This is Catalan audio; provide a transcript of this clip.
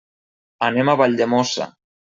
Anem a Valldemossa.